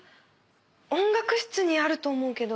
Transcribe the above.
音楽室にあると思うけど。